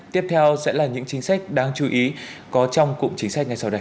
tiếp theo sẽ là những chính sách đáng chú ý có trong cụm chính sách ngay sau đây